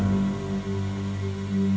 apaan itu mungkin punya men science